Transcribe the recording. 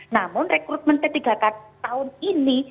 namun rekrutmen ketiga tahun ini